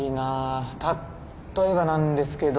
例えばなんですけど。